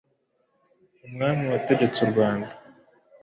umwami wategetse u Rwanda